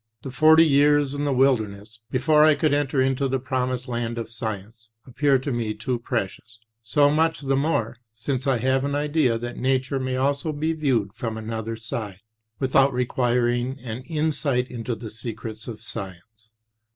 The forty years in the wilderness, before I could enter into the promised land of science, appear to me too precious; so much the more, since I have an idea that Nature may also be viewed from another side, without requiring an insight into the secrets of science.